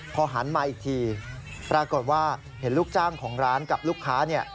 พอหันมาอีกทีปรากฏว่าเห็นลูกจ้างของร้านกับลูกค้าเนี่ย